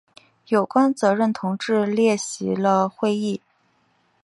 有关负责同志列席了会议。